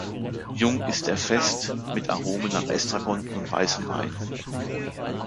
Jung ist er fest, mit Aromen nach Estragon und weißem Wein.